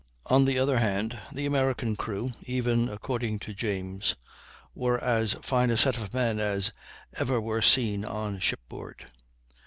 525] On the other hand, the American crew, even according to James, were as fine a set of men as ever were seen on shipboard.